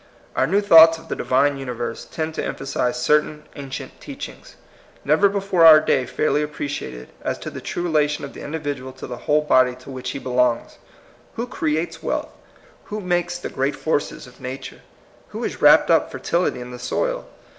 Our new thoughts of the Divine uni verse tend to emphasize certain ancient teachings, never before our day fairly ap preciated, as to the true relation of the individual to the whole body to which he belongs. Who creates wealth? Who makes the great forces of nature? Who has wrapped up fertility in the soil?